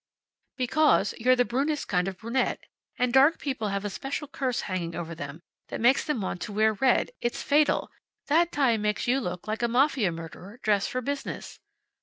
"Because you're the brunest kind of brunette. And dark people have a special curse hanging over them that makes them want to wear red. It's fatal. That tie makes you look like a Mafia murderer dressed for business."